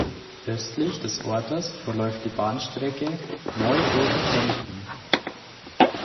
Östlich des Ortes verläuft die Bahnstrecke Neu-Ulm–Kempten.